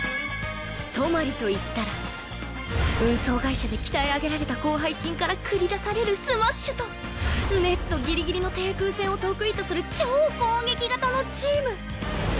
トマリといったら運送会社で鍛え上げられた広背筋から繰り出されるスマッシュとネットギリギリの低空戦を得意とする超攻撃型のチーム！